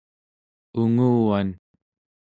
unguvan